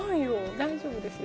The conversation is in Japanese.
大丈夫ですよ。